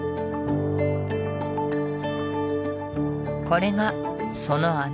これがその穴